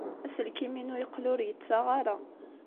Aselkim-inu yeqqel ur yettaɣ ara.